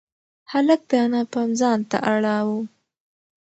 هلک د انا پام ځان ته اړاوه.